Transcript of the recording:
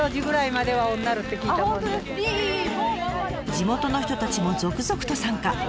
地元の人たちも続々と参加。